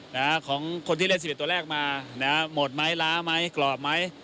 นะฮะของคนที่เล่นสิบเอ็ดตัวแรกมานะฮะหมดไหมล้าไหมกรอบไหม